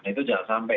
itu jangan sampai